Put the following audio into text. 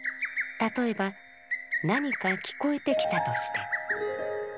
例えば何か聞こえてきたとして。